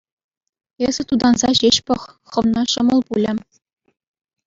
Эсӗ тутанса ҫеҫ пӑх, хӑвна ҫӑмӑл пулӗ.